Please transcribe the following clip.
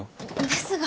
ですが。